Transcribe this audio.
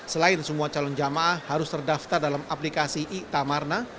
selain semua calon jamaah harus terdaftar dalam aplikasi itamarna